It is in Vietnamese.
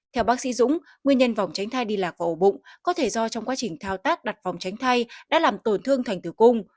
theo bác sĩ dũng nguyên nhân vòng tránh thai đi lạc và ổ bụng có thể do trong quá trình thao tác đặt phòng tránh thai đã làm tổn thương thành tử cung